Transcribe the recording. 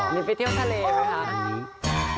มีไปเที่ยวทะเลไหมคะ